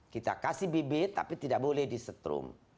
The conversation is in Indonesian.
kita kasih bibit tapi tidak boleh disetrum